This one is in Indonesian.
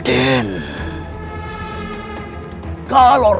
tunggu apa lagi